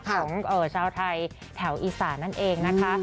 ของชาวไทยแถวอีสานนั่นเองนะคะ